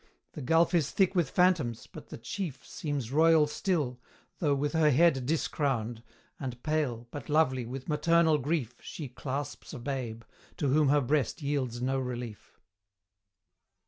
The gulf is thick with phantoms, but the chief Seems royal still, though with her head discrowned, And pale, but lovely, with maternal grief She clasps a babe, to whom her breast yields no relief.